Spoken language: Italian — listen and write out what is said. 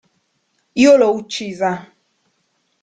Io l'ho uccisa!